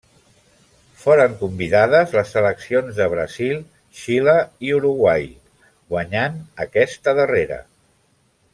Foren convidades les seleccions de Brasil, Xile i Uruguai, guanyant aquesta darrera.